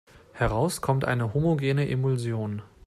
Heraus kommt eine homogene Emulsion.